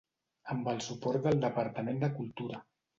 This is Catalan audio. Amb el suport del Departament de Cultura.